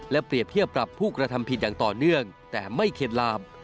เปรียบเทียบปรับผู้กระทำผิดอย่างต่อเนื่องแต่ไม่เข็ดลาม